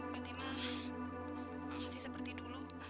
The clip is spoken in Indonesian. boleh mati kemarau